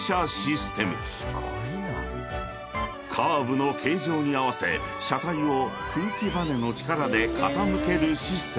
［カーブの形状に合わせ車体を空気ばねの力で傾けるシステムで］